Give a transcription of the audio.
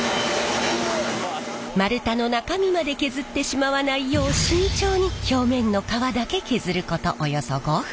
丸太の中身まで削ってしまわないよう慎重に表面の皮だけ削ることおよそ５分。